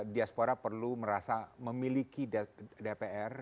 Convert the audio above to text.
diaspora perlu merasa memiliki dpr